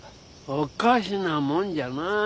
おかしなもんじゃなあ。